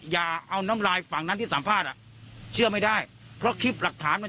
อย่าเอาน้ำลายฝั่งนั้นที่สัมภาษณ์อ่ะเชื่อไม่ได้เพราะคลิปหลักฐานมัน